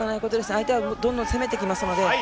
相手はどんどん攻めてきますので。